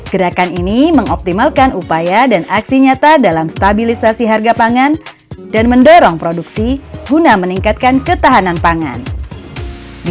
memperkuat investasi harga pangan dan mendorong produksi guna meningkatkan ketahanan pangan di